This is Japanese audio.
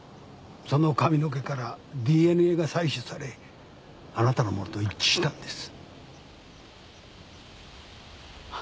その髪の毛からＤＮＡが採取されあなたのものと一致したんです。